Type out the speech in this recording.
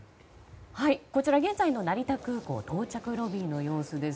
現在の成田空港到着ロビーの様子です。